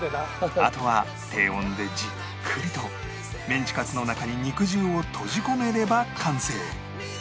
あとは低温でじっくりとメンチカツの中に肉汁を閉じ込めれば完成